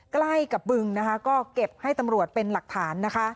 ใกล้กับบึงนะคะก็เก็บให้ตำรวจเป็นหลักฐานนะคะ